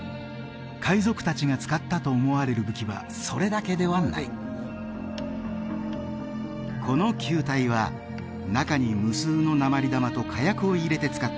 海賊達が使ったと思われる武器はそれだけではないこの球体は中に無数の鉛玉と火薬を入れて使った